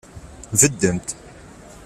Beddemt.